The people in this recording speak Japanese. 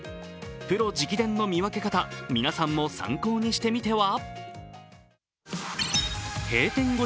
プロ直伝の見分け方、皆さんも参考にしてみては？